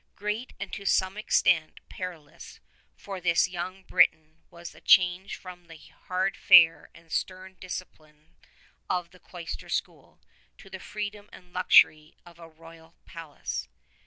Great and to some extent perilous for this young Briton was the change from the hard fare and stern discipline of the cloister .school to the freedom and luxury of a royal palace.